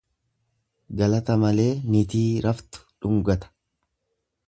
Galata malee nitii raftu dhungata.